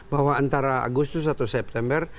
bahwa antara agustus atau september